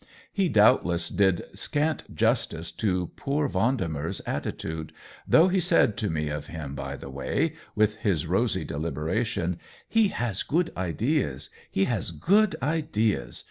He doubtless did scant justice to poor Vendemer's attitude, though he said to me of him, by the way, with his rosy deliberation :" He has good ideas — he has good ideas.